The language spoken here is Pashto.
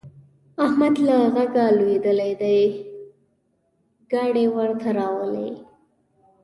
احمد له غږه لوېدلی دی؛ ګاډی ورته راولي.